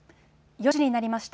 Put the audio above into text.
４時になりました。